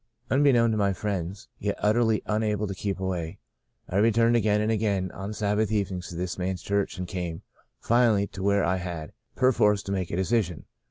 Unbeknown to my friends, yet utterly unable to keep away, I returned again and again on Sabbath evenings to this man's church and came, finally, to where I had, perforce, to make a decision.